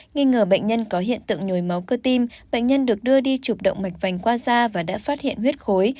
nghi ngờ bệnh nhân có hiện tượng nhồi máu cơ tim bệnh nhân được đưa đi chụp động mạch vành qua da và đã phát hiện huyết khối